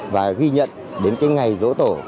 và ghi nhận đến cái ngày dỗ tổ